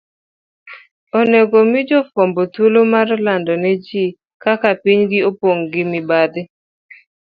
onego mi jofwambo thuolo mar lando ne ji kaka pinygi opong ' gi mibadhi.